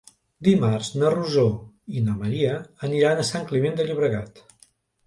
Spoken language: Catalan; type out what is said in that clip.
Dimarts na Rosó i na Maria aniran a Sant Climent de Llobregat.